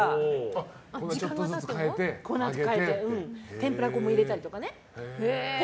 天ぷら粉も入れたりとかして。